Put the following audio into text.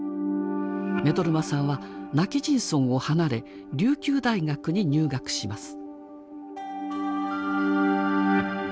目取真さんは今帰仁村を離れ琉球大学に入学します。